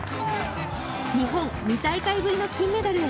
日本２大会ぶりの金メダルへ。